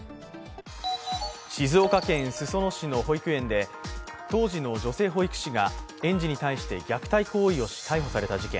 静岡県裾野市の保育園で当時の女性保育士が園児に対して虐待行為をして逮捕された事件。